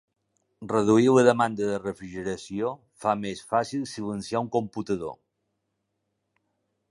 Reduir la demanda de refrigeració fa més fàcil silenciar un computador.